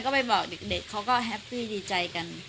ก็ไปบอกเด็กเขาก็แฮปปี้ดีใจกัน